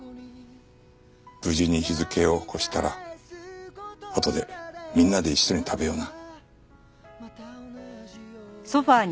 無事に日付を越したらあとでみんなで一緒に食べような。